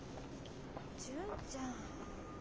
純ちゃん。